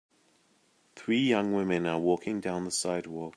Three young women are walking down the sidewalk.